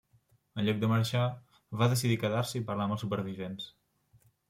En lloc de marxar, va decidir quedar-se i parlar amb els supervivents.